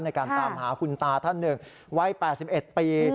ในการตามหาคุณตาท่านหนึ่งวัย๘๑ปี